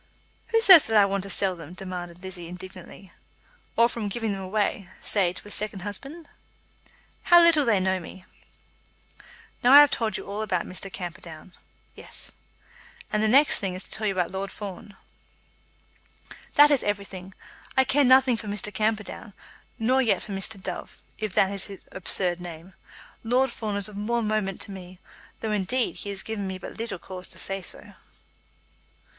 "Who says that I want to sell them?" demanded Lizzie indignantly. "Or from giving them away, say to a second husband." "How little they know me!" "Now I have told you all about Mr. Camperdown." "Yes." "And the next thing is to tell you about Lord Fawn." "That is everything. I care nothing for Mr. Camperdown; nor yet for Mr. Dove, if that is his absurd name. Lord Fawn is of more moment to me, though, indeed, he has given me but little cause to say so."